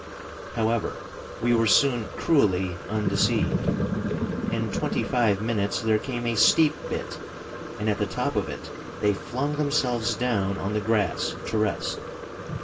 However, we were soon cruelly undeceived. In twenty five minutes there came a steep bit, and at the top of it they flung themselves down on the grass to rest.